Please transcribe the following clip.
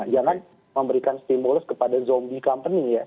jangan memberikan stimulus kepada zombie company ya